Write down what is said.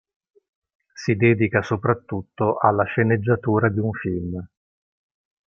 Si dedica soprattutto alla sceneggiatura di un film.